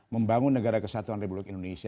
membangun negara kesatuan republik indonesia